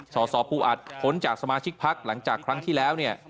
สอสอภูอัดผลจากสมาชิกพักหลังจากครั้งที่แล้ว